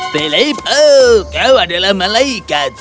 philip kau adalah malaikat